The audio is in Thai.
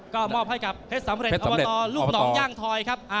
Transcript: ก็มอบให้กับเพชรสำเร็จอบตลูกหนองย่างทอยครับ